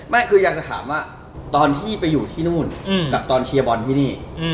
ไม่คืออยากจะถามว่าตอนที่ไปอยู่ที่นู่นกับตอนเชียร์บอลที่นี่